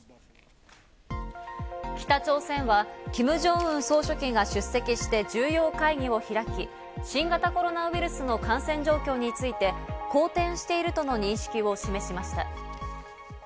北朝鮮はキム・ジョンウン総書記が出席して重要会議を開き、新型コロナウイルスの感染状況について好転しているとの認識を示しました。